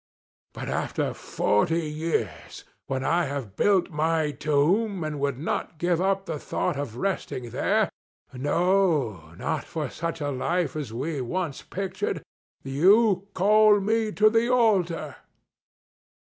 But after forty years, when I have built my tomb and would not give up the thought of resting there—no, not for such a life as we once pictured—you call me to the altar.